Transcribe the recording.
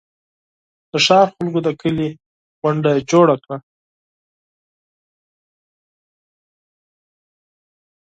د ښار خلکو د کلي غونډه جوړه کړه.